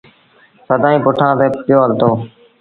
سدائيٚݩ پوٺآن تي پيو هلتو۔